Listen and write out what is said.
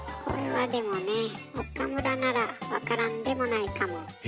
これはでもね岡村なら分からんでもないかも。